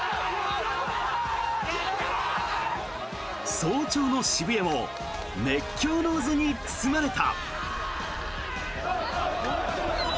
早朝の渋谷も熱狂の渦に包まれた。